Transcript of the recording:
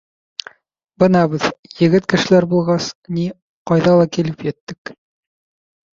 — Бына беҙ, егет кешеләр булғас, ни, ҡайҙа ла килеп еттек!..